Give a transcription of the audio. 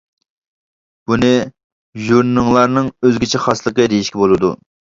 بۇنى ژۇرنىلىڭلارنىڭ ئۆزگىچە خاسلىقى دېيىشكە بولىدۇ.